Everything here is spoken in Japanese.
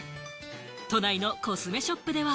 都内のコスメショップでは。